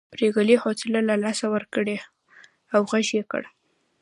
پريګلې حوصله له لاسه ورکړه او غږ یې کړ